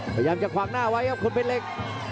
พยายามจะควังหน้าไว้ครับคุณเบ้นเล็ก